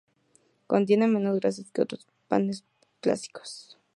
Contiene menos grasas que otros panes clásicos.